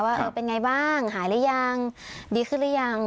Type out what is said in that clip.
ว่าเออเป็นไงบ้างหายหรือยังดีขึ้นหรือยัง